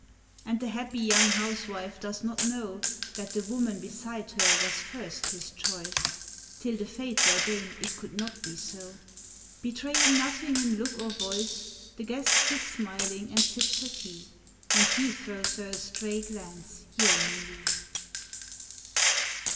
And the happy young housewife does not know That the woman beside her was first his choice, Till the fates ordained it could not be so ... Betraying nothing in look or voice The guest sits smiling and sips her tea, And he throws her a stray glance yearningly.